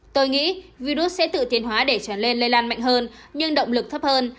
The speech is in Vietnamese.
tôi nghĩ virus sẽ tự tiến hóa để trở lên lây lan mạnh hơn nhưng động lực thấp hơn